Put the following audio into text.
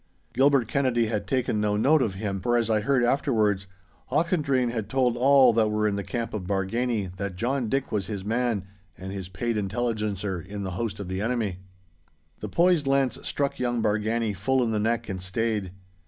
Gilbert Kennedy had taken no note of him—for, as I heard afterwards, Auchendrayne had told all that were in the camp of Bargany, that John Dick was his man, and his paid intelligencer in the host of the enemy. The poised lance struck young Bargany full in the neck and stayed.